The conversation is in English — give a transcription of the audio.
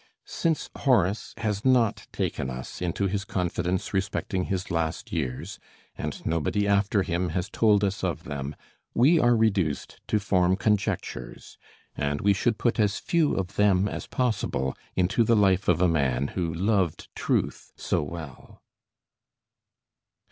Since Horace has not taken us into his confidence respecting his last years, and nobody after him has told us of them, we are reduced to form conjectures, and we should put as few of them as possible into the life of a man who loved truth so well.